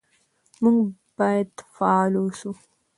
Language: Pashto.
موږ باید فعال اوسو.